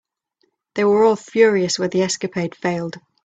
They were all furious when the escapade failed.